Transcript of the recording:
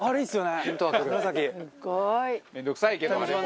面倒くさいけど。